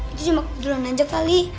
itu cuma kebetulan aja kali